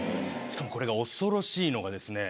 しかもこれが恐ろしいのがですね